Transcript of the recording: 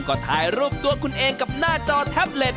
ก็ถ่ายรูปตัวคุณเองกับหน้าจอแท็บเล็ต